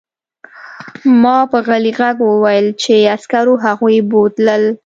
ما په غلي غږ وویل چې عسکرو هغوی بوتلل